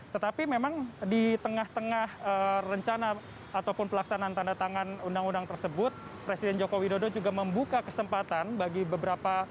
tetapi memang di tengah tengah rencana ataupun pelaksanaan tanda tangan undang undang tersebut presiden joko widodo juga membuka kesempatan bagi beberapa